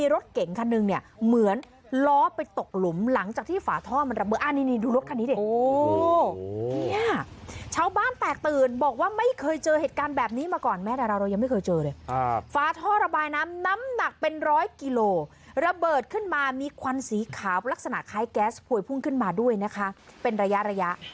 ระเบิดขึ้นมามีควันสีขาวลักษณะคล้ายแก๊สผ่วยพุ่งขึ้นมาด้วยนะคะเป็นระยะ